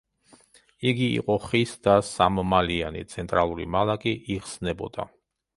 იგი იყო ხის და სამმალიანი, ცენტრალური მალა კი იხსნებოდა.